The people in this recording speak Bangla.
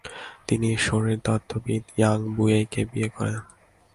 তিনি শারীরতত্ত্ববিদ ইয়াং বুয়েইকে বিয়ে করেন।